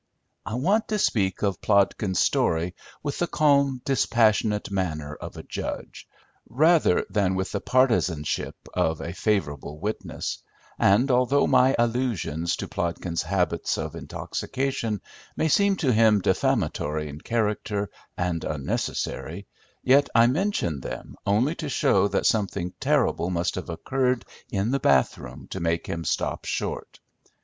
I want to speak of Plodkins' story with the calm, dispassionate manner of a judge, rather than with the partisanship of a favourable witness; and although my allusion to Plodkins' habits of intoxication may seem to him defamatory in character, and unnecessary, yet I mention them only to show that something terrible must have occurred in the bath room to make him stop short.